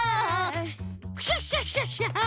クシャシャシャシャ！